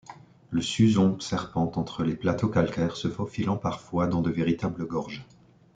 Le Suzon serpente entre les plateaux calcaires, se faufilant parfois dans de véritables gorges.